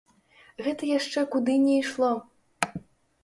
Гэта яшчэ куды не ішло.